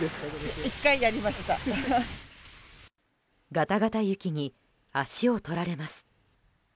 ガタガタ雪に足を取られます。